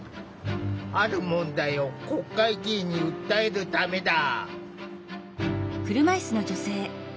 ある問題を国会議員に訴えるためだ。